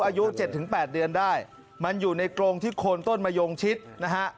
อายุ๗๘เดือนได้มันอยู่ในกรงที่โคนต้นมะยงชิดนะฮะ